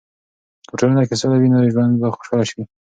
که په ټولنه کې سوله وي، نو ژوند به خوشحاله وي.